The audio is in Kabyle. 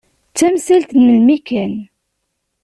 D tamsalt n melmi kan.